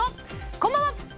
こんばんは！